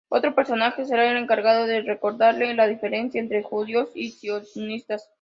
Otro personaje será el encargado de recordarle la diferencia entre judíos y sionistas.